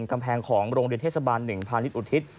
กัมแผงของโรงเรียนเทศบาล๑๐๐๐ลิตรอุณฑิต